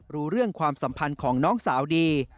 รู้เรื่องความสัมพันธ์ของน้องสาวดี